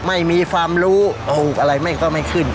ไม่มีความรู้ปลูกอะไรไม่ก็ไม่ขึ้น